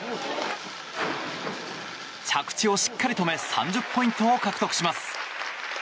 着地をしっかり止め３０ポイントを獲得します。